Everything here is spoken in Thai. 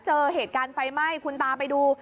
เจอเหตุการณ์ไฟไหม้คุณตาไปดู